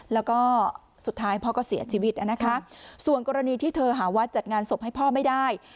แล้วก็สุดท้ายพ่อก็เสียชีวิตนะคะส่วนกรณีที่เธอหาวัดจัดงานศพให้พ่อไม่ได้